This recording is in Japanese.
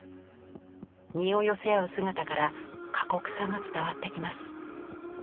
身を寄せ合う姿から過酷さが伝わってきます。